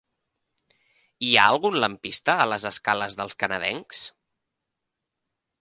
Hi ha algun lampista a les escales dels Canadencs?